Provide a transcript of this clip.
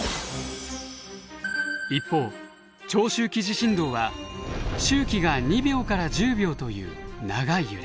一方長周期地震動は周期が２秒から１０秒という長い揺れ。